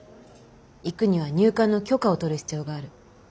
行くには入管の許可を取る必要がある。